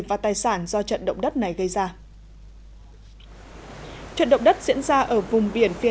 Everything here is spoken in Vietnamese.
và tài sản do trận động đất này gây ra trận động đất diễn ra ở vùng biển phía